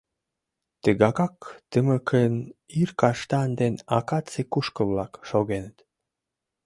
Тыгакак тымыкын ир каштан ден акаций кушкыл-влак шогеныт.